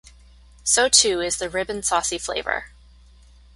So too is the Rib 'n' Saucy flavour.